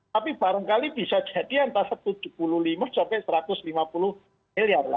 tapi barangkali bisa jadi antara tujuh puluh lima sampai satu ratus lima puluh miliar